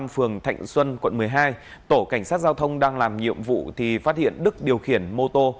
phường thạnh xuân quận một mươi hai tổ cảnh sát giao thông đang làm nhiệm vụ thì phát hiện đức điều khiển mô tô